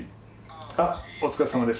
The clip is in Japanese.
あっお疲れさまです